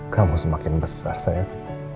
kamu semakin besar sayang